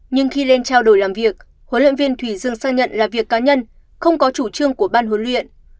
nhưng khi lên trao đổi làm việc huấn luyện viên thủy dương xác nhận là việc cá nhân không có chủ trương của ban huấn luyện